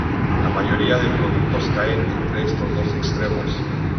La mayoría de productos caen entre estos dos extremos.